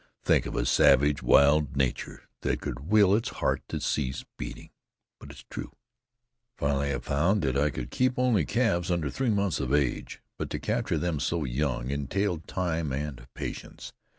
Think of a savage wild nature that could will its heart to cease beating! But it's true. Finally I found I could keep only calves under three months of age. But to capture them so young entailed time and patience.